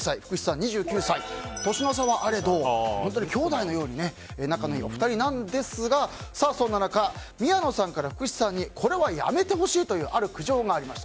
２９歳年の差はあれど兄弟のように仲がいいお二人ですがそんな中宮野さんから福士さんにこれはやめてほしいというある苦情がありました。